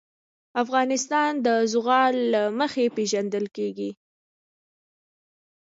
افغانستان د زغال له مخې پېژندل کېږي.